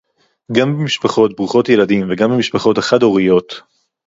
גם במשפחות ברוכות ילדים וגם במשפחות החד-הוריות